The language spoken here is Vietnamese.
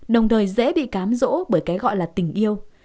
đồng thời dễ bị cám dỗ bởi cái gọi là tình yêu